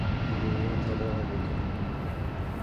Il devient alors avocat.